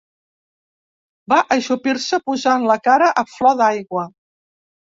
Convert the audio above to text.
Va ajupir-se posant la cara a flor d'aigua